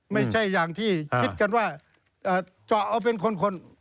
ไม่ใช่อย่างที่คิดกันว่าเจาะเอาเป็นคน